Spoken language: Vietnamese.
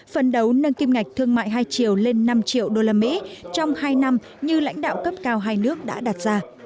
phần đấu nâng kim ngạch thương mại hai triệu lên năm triệu đô la mỹ trong hai năm như lãnh đạo cấp cao hai nước đã đặt ra